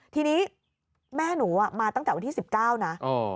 ทีนี้แม่หนูมาตั้งแต่วันที่๑๙นะ